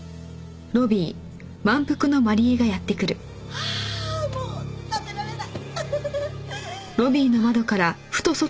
ああもう食べられない。